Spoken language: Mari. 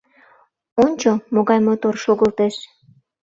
— Ончо, могай мотор шогылтеш!